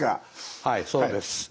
はいそうです。